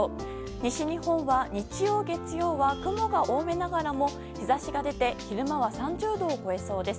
西日本は日曜、月曜は雲が多めながらも、日ざしが出て、昼間は３０度を超えそうです。